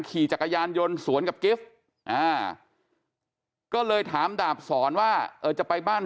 ขี่จักรยานยนต์สวนกับกิฟต์ก็เลยถามดาบสอนว่าเออจะไปบ้าน